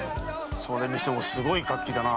それにしてもすごい活気だな。